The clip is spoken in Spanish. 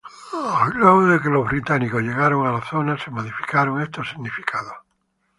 Luego de que los británicos llegaran a la zona, se modificaron estos significados.